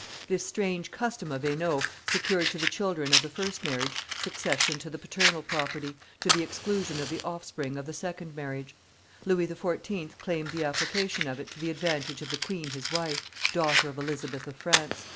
This strange custom of Hainault secured to the children of the first marriage succession to the paternal property, to the exclusion of the offspring of the second marriage. Louis XIV. claimed the application of it to the advantage of the queen his wife, daughter of Elizabeth of France.